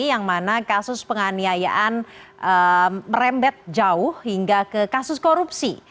yang mana kasus penganiayaan merembet jauh hingga ke kasus korupsi